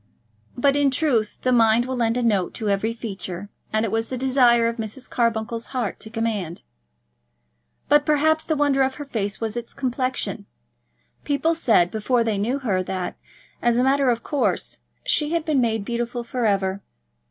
But in truth the mind will lend a tone to every feature, and it was the desire of Mrs. Carbuncle's heart to command. But perhaps the wonder of her face was its complexion. People said, before they knew her, that, as a matter of course, she had been made beautiful for ever.